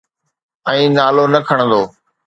۽ نالو نه کڻندو.